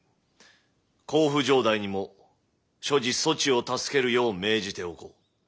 甲府城代にも諸事そちを助けるよう命じておこう。